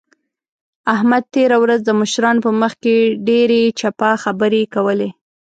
احمد تېره ورځ د مشرانو په مخ کې ډېرې چپه خبرې کولې.